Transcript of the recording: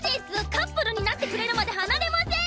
カップルになってくれるまで離れません！